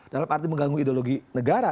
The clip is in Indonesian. dalam arti mengganggu ideologi negara